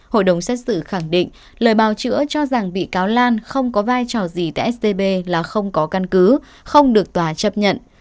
hội đồng xét xử khẳng định lời bào chữa cho rằng bị cáo lan không có vai trò gì tại scb là không có căn cứ không được tòa chấp nhận